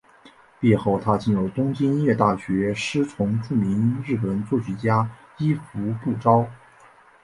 毕业后她进入东京音乐大学师从著名日本作曲家伊福部昭。